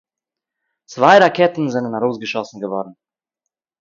צוויי ראקעטן זענען ארויסגעשאסן געווארן